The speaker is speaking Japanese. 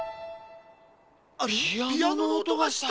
ピアノのおとがした！